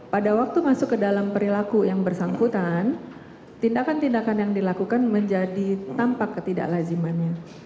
pada waktu masuk ke dalam perilaku yang bersangkutan tindakan tindakan yang dilakukan menjadi tampak ketidaklazimannya